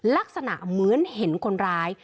ลักษณะเหมือนเห็นคนร้าย